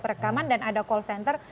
perekaman dan ada call center